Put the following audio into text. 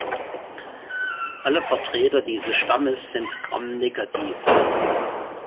Alle Vertreter dieses Stammes sind gramnegativ.